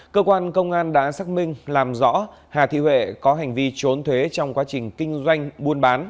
cơ quan công an đã xác minh làm rõ hà thị huệ có hành vi trốn thuế trong quá trình trốn thuế